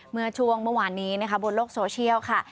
เมื่อช่วงเมื่อวานนี้นะคะบนโลกโซเชียลค่ะ